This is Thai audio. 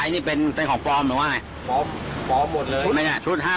นี่เรื่องซื้อมาใบเท่าไหร่พี่